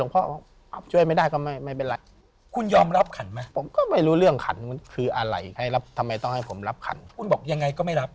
ผ่านผมเขาก็มอง